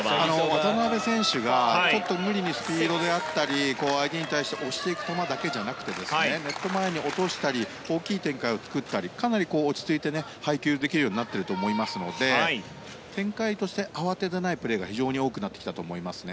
渡辺選手がちょっと無理にスピードだったり相手に対して押していく球だけじゃなくてネット前に落としたり大きい展開を作ったりかなり落ち着いて配球できるようになっていると思いますので展開として慌てていないプレーが非常に多くなってきたと思いますね。